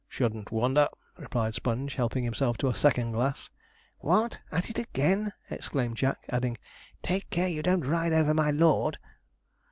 'Shouldn't wonder,' replied Sponge, helping himself to a second glass. 'What! at it again!' exclaimed Jack, adding, 'Take care you don't ride over my lord.'